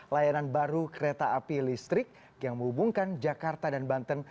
layanan baru kereta api listrik yang menghubungkan jakarta dan banten